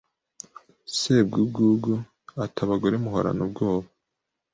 Sebwugugu ati Abagore muhorana ubwoba